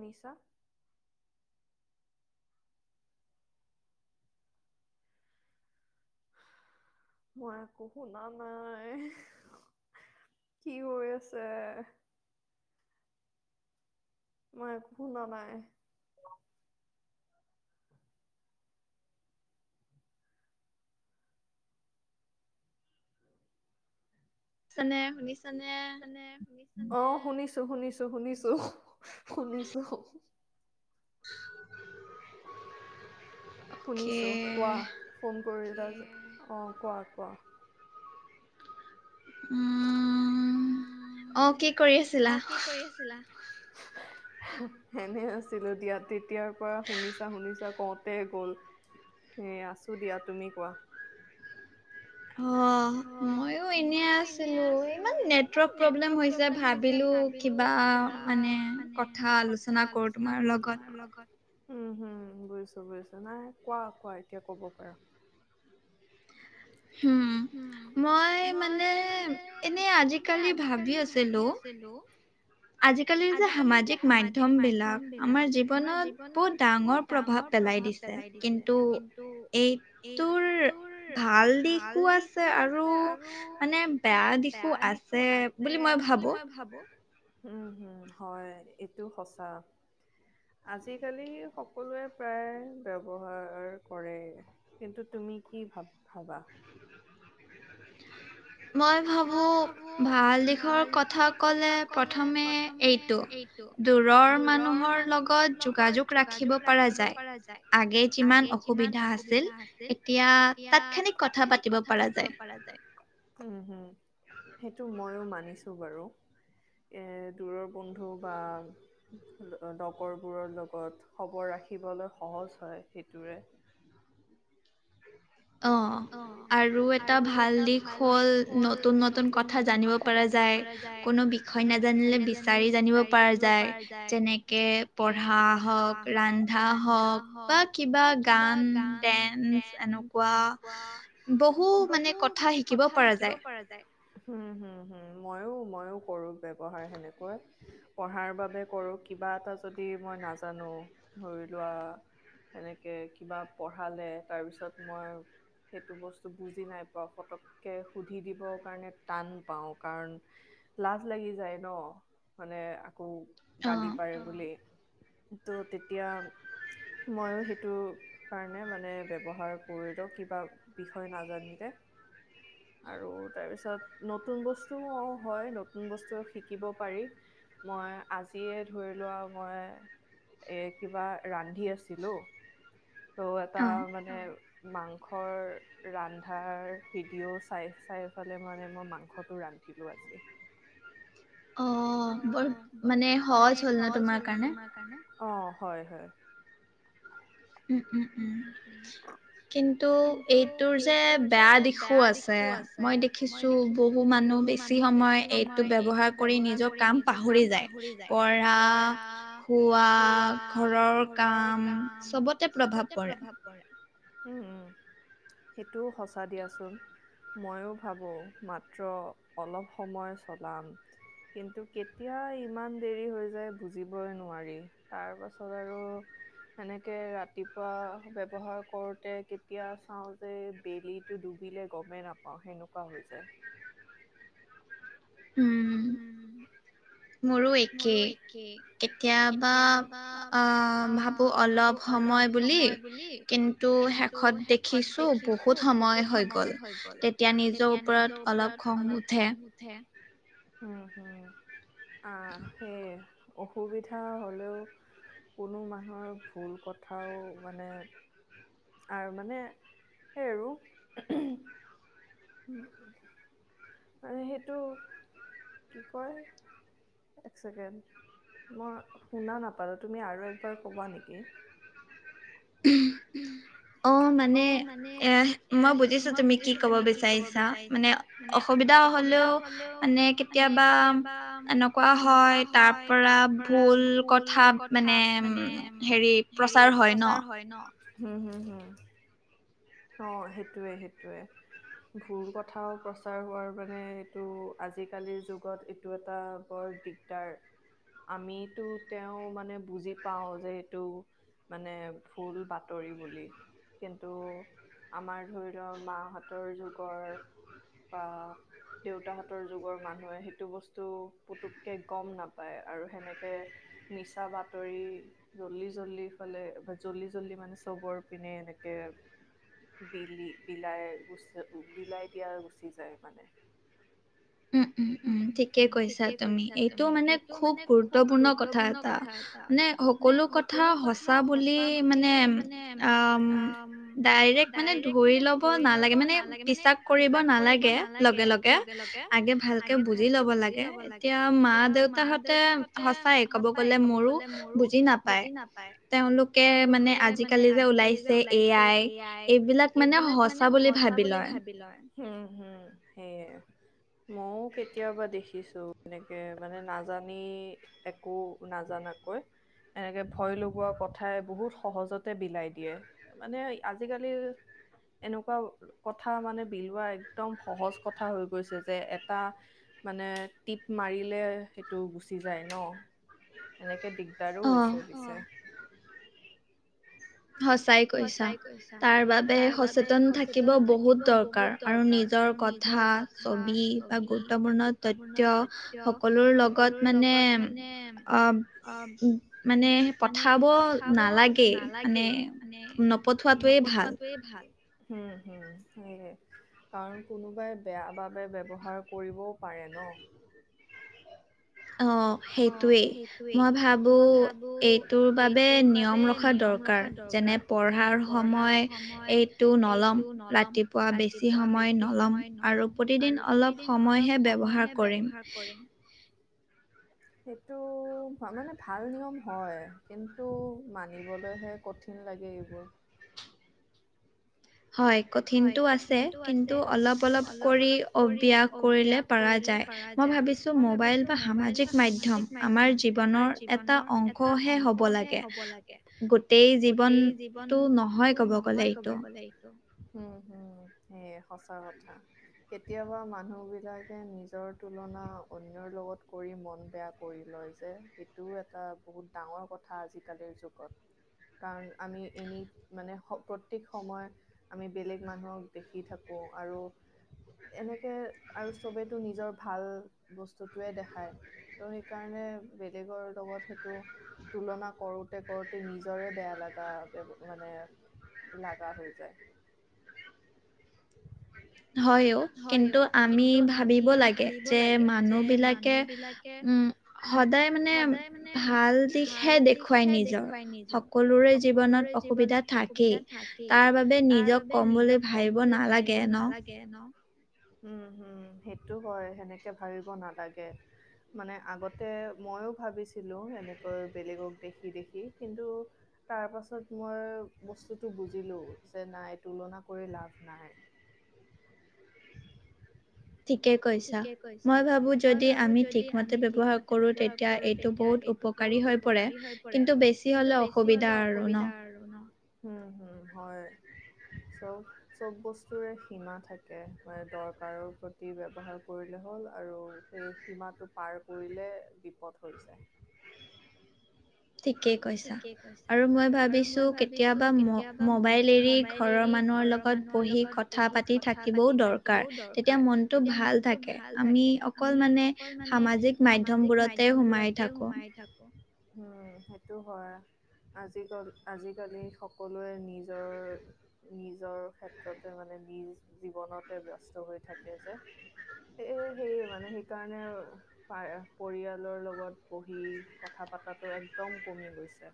মিছা মই একো শুনা নাই কি হৈ আছে মই একো শুনা নাই চানে শুনিছোঁ শুনিছানে শুনিছানে অ শুনিছ তো শুনিছো শুনিছো শুনিছো [inaudible] শুনিছো কোৱা ফোন কৰিলা অ কোৱা কোৱা উম উ অ কি কৰি আছিলা এনে আছিলো দিয়া তেতিয়াৰ পৰা শুনিছা শুনিছা কওঁতে গল এয়া আছো দিয়া তুমি কোৱা অ মায়ো এনে আছিলো ইমান নেটৱৰ্ক প্ৰব্লেম হৈছে ভাবিলো কিবা মানে কথা আলোচনা কৰো তোমাৰ লগত উম হুম বুজিছো বুজিছো নাই কোৱা কোৱা এতিয়া কব পাৰা উ মই মানে এনেই আজিকালি ভাবি আছিলো আজিকালিৰ যে সামাজিক মাধ্যমবিলাক আমাৰ জীৱনত বহুত ডাঙৰ প্ৰভাৱ পেলাই দিছে কিন্তু এইটোৰ ভাল। দিশৱা আছে আৰু মানে বেয়া দিশো আছে বুলি মই ভাবো উম হম হয় এইটো সঁচা আজিকালি সকলোৱে প্ৰায় ব্যৱহাৰৰ কৰে কিন্তু তুমি কি ভাব ভাবা মই ভাবো ভাল দিশৰ কথা ক'লে প্ৰথমে এইটো, দূৰৰ মানুহৰ লগত যোগাযোগ ৰাখিব পৰা যায়। আগে যিমান অসুবিধা আছিল এতিয়া তাৎক্ষণিক কথা পাতিব পৰা যায়। উম সেইটো ময়ও মানিছো বাৰু এৰ দূৰৰ বন্ধু বা লগৰবোৰৰ লগত খবৰ ৰাখিবলৈ সহজ হয় সেইটোৰে অ আৰু এটা ভাল দিশ হ'ল নতুন নতুন কথা জানিব পৰা যায়। কোনো বিষয় নাজানিলে বিচাৰি জানিব পৰা যায়, যেনেকে পঢ়া হওক, ৰন্ধা হওক বা কিবা গান ডেন্স এনেকুৱা কোৱা কোৱা বহু মানে কথা শিকিব পৰা যায় হম হুম হম মইও ময়ও কৰো ব্যৱহাৰ সেনেকৈ পঢ়াৰ বাবে কৰো কিবা এটা যদি মই নাজানো ধৰি লোৱা সেনেকে কিবা পঢ়ালে তাৰপিছত মই। সেইটো বস্তু বুজি নাই পোৱা ফতককে সুধি দিব কাৰণে টান পাও, কাৰণ লাজ লাগি যায় ন মানে। আকৌ গালি পাৰে বোলে ত' তেতিয়া ময়ো সেইটো কাৰণে মানে ব্যৱহাৰ কৰিলোঁ কিবা বিষয় নাজানতে আৰু তাৰপিছত নতুন বস্তুও হয় নতুন বস্তু শিকিব পাৰি মই আজিয়ে ধৰি লোৱা মই কিবা ৰান্ধি আছিলো। ত' এটা মানে মাং সৰ ৰন্ধাৰ ভিডিঅ' চাই চাই মানে মই মাংসটো ৰান্ধিলোঁ আজি অ বৰ মানে সহজ হ'ল ন তোমাৰ কাৰণে অ হয় হয় উম উম উম কিন্তু এইটোৰ যে বেয়া দিশো আছে মই দেখিছো বহু মানুহ বেছি সময় এইটো ব্যৱহাৰ কৰি নিজৰ কাম পাহৰি যায়। পঢ়া, খোৱা, ঘৰৰ কাম চবত। চবতে প্ৰভাৱ পৰে উম উম সেইটোও সচা দিয়াচোন ময়ো ভাবো মাত্ৰ অলপ সময় চলাম কিন্তু কেতিয়া ইমান দেৰি হৈ যায় বুজিবই নোৱাৰি তাৰ পাছত আৰু সেনেকে ৰাতি ৰাতিপুৱা ব্যৱহাৰ কৰোতে কেতিয়া চাও যে বেলিটো ডুবিলে গমেই নাপাওঁ সেনেকুৱা হৈ যায় উম আৰু একেই কেতিয়াবা আহ ভাবো অলপ সময় বুলি কিন্তু শেষত দেখিছো বহুত সময় হৈ গল তেতিয়া নিজৰ ওপৰত অলপ খং উঠে উম হম অ সে অসুবিধা হ'লেও কোনো মানুহৰ ভুল কথাও মানে আৰু মানে সেই আৰু মান সেইটো কি কয় এক চকেণ্ড মই শুনা নাপালো তুমি আৰু একবাৰ ক'বা নেকি? অ মানে এ মই বুজিছো তুমি কি কব বিচাৰিছা মানে অসম সুবিধা হলেও মানে কেতিয়াবা এনেকুৱা হয় তাৰ পৰা ভুল কথা মানে হেৰি প্ৰচাৰ হয় ন‌? উম উম উম অ সেইটোৱে সেইটোৱে ভুল কথাও প্ৰচাৰ হোৱাৰ মানে এইটো আজিকালিৰ যুগত এইটো এটা বৰ দিগদাৰ আমিতো তেওঁ মানে বুজি পাওঁ যে এইটো মানে ভুল বাতৰি বুলি কিন্তু আমাৰ ধৰি লওক মাহতৰ যুগৰ বা দেউতাহতৰ যুগৰ মানুহে সেইটো বস্তু পুতুককে গম নাপায় আৰু সেনেকে মিছা বাতৰি জলি জলি ফালে বা জলি জ্লি মানে চবৰ পিনে এনেকে বিলি বিলাই গুচি বিলাই দিয়া গুচি যায় মানে উম উম উম ঠিকেই কৈছা তুমি এইটো মানে খুব গুৰুত্বপূৰ্ণ কথা এটা মানে সকলো কথা সঁচা বুলি মানে উ ডাৰেক্ মানে ধৰি ল'ব নালাগে মানে বিশ্বাস কৰিব নালাগে লগে লগে আগে ভালকে বুজি লব লাগে এতিয়া মা দেউতাহঁতে সঁচাই ক'ব গলে মোৰো বুজি নাপায় তেওঁলোকে মানে আজিকালি যে ওলাইছে এ আই এ আই এইবিলাক মানে সঁচা বুলি ভাবি লয় উম হুম সেয়ে মইও কেতিয়াবা দেখিছো এনেকে মানে নাজানি একো নাজানাকৈ এনেকে ভয় লগোৱা কথাই বহুত সহজতে বিলাই দিয়ে মানে আজিকালি এনেকুৱা কথা মানে বিলোৱা একদম সহজ কথা হৈ গৈছে যে এটা মানে টিপ মাৰিলে সেইটো গুচি যায় ন যেনেকে দিগদাৰো হৈছে পিছে সঁচাই কৈছা তাৰ বাবে সচেতন থাকিব বহুত দৰকাৰ আৰু নিজৰ কথা ছবি বা গুৰুত্বপূৰ্ণ তথ্য সকলো লগত মানে আহ মানে পঠাব নালাগেই মানে মানে নপঠাটোৱে ভাল হম হম সেয়ে কাৰণ কোনোবাই বেয়া বাবে ব্যৱহাৰ কৰিবও পাৰে ন অ সেইটোৱেই মই ভাবোঁ এইটোৰ বাবে নিয়ম ৰখা দৰকাৰ যেনে পঢ়াৰ সময় এইটো নল'ম ৰাতিপুৱা বেছি সময় নল'ম আৰু প্ৰতিদিন অলপ সময়হে ব্যৱহাৰ কৰিম সেইটো মানে ভাল নিয়ম হয় কিন্তু মানিবলৈহে কঠিন লাগে এইবোৰ হয় কঠিনটো আছে কিন্তু অলপ অলপ কৰি অভ্যাস কৰিলে পৰা যায় মই ভাবিছো মোবাইল বা সামাজিক মাধ্যম আমাৰ জীৱনৰ এটা অংশহে হ'ব লাগে গোটেই জীৱনটো নহয় ক'ব গলে এইটো হম হম হম সেয়া সঁচা কথা কেতিয়াবা মানুহ বিলাকে নিজৰ তুলনা অন্যৰ লগত কৰি মন বেয়া কৰি লয় যে এইটোও এটা বহুত ডাঙৰ কথা আজিকালিৰ যুগত কাৰণ আমি এনে মানে প্ৰত্যেক সময় আমি বেলেগ মানুহক দেখি থাকো আৰু এনেকে আৰু চবেতো নিজৰ ভাল বস্তুটোৱে দেখায় ত' সেইকাৰণে বেলেগৰ লগত সেইটো তুলনা কৰোতে কৰোতে নিজৰে বেয়া লগা ব মানে লগা হৈ যায় হয়ও কিন্তু আমি ভাবিব লাগে যে মানুহ বিলাকে উম সদায় মানে ভাল দিশহে দেখুৱাই নিজৰ সকলোৰে জীৱনত অসুবিধা থাকেই তাৰ বাবে নিজক কম বুলি ভাবিব নালাগে ন কে ন উম উম সেইটো হয় সেনেকে ভাবিব নালাগে মানে আগতে মইও ভাবিছিলো এনেকৈ বেলেগক দেখি দেখি কিন্তু তাৰ পাছত মই বস্তুটো বুজিলো যে নাই তুলনা কৰি লাভ নাই। ঠিকে কৈছা মই ভাবো যদি আমি ঠিকমতে ব্যৱহাৰ কৰো তেতিয়া এইটো বহুত উপকাৰী হৈ পৰে কিন্তু বেছি হ'লে অসুবিধা আৰু ন। উম হম হয় চব চব বস্তুৰে সীমা থাকে মানে দৰকাৰৰ প্ৰতি- ব্যৱহাৰ কৰিলে হ'ল আৰু সেই সীমাটো পাৰ কৰিলে বিপদ হৈ যায়। ঠিকেই কৈছা আৰু মই ভাবিছো কেতিয়াবা ম মোবাইলে এৰি ঘৰৰ মানুহৰ লগত বহি কথা পাতি থাকিবও দৰকাৰ তেতিয়া মনটো ভাল থাকে, আমি অকল মানে সামাজিক মাধ্যমবোৰতে সোমাই থাকো। উম সেইত সেইটো হয় আজিক আজিকালি সকলোৱে নিজৰ নিজৰ ক্ষেত্ৰতে মানে নিজ জীৱনতে ব্যস্ত হৈ থাকে যে, সে সেয়ে মানে সেইকাৰণে পৰিয়ালৰ লগত বহি কথা পতাটো একদম- কমি গৈছে।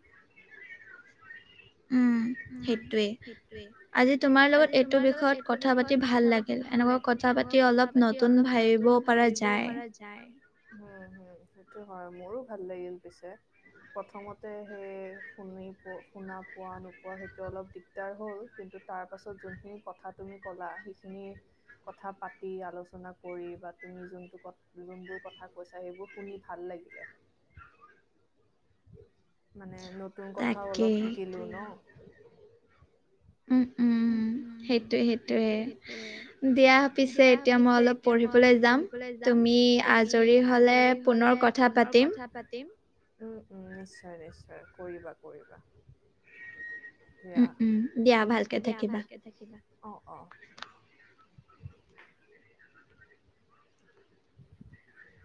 উম সেইটোৱেই আজি তোমাৰ লগত এইটো বিষয়ত কথা পাতি ভাল লাগিল এনেকুৱা কথা পাতি অলপ নতুন ভাবিব পৰা যায়। উম উম সেইটো হয় মোৰো ভাল লাগিল পিছে প্ৰথমতে সেই শুনি পোৱা শুনা পোৱা ন- পোৱা সেইটো অলপ দিগদাৰ হল কিন্তু তাৰ পাছত যোনখিনি কথা তুমি কলা সেইখিনি কথা পাতি আলোচনা কৰি বা তুমি যোনটো ক যোনবোৰ কথা কৈছা সেইবোৰ শুনি ভাল লাগিলে। মানে নতুন কথাও অলপ শিকিলো ন। উম উম সেইটো সেইটোয়ে দিয়া পিছে এতিয়া মই অলপ পঢ়িবলৈ যাম, তুমি আজৰি হলে পুনৰ কথা পাতিম। উম উম নিশ্চয় নিশ্চয় কৰিবা কৰিবা। দিয়া উম উম দিয়া ভালকে থাকিবা। অ অ [inaudible]